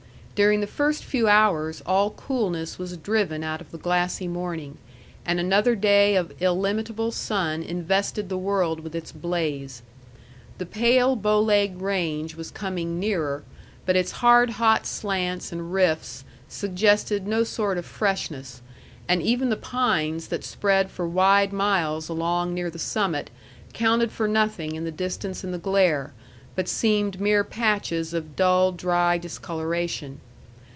During the first few hours all coolness was driven out of the glassy morning, and another day of illimitable sun invested the world with its blaze. The pale Bow Leg Range was coming nearer, but its hard hot slants and rifts suggested no sort of freshness, and even the pines that spread for wide miles along near the summit counted for nothing in the distance and the glare, but seemed mere patches of dull dry discoloration.